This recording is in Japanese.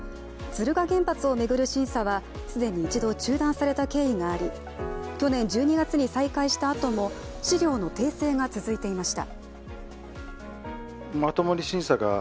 敦賀原発を巡る審査では、既に一度、中断された経緯があり去年１２月に再開したあとも資料の訂正が続いていました。